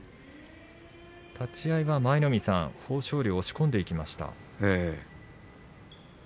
立ち合いは舞の海さん豊昇龍押し込んでいきました。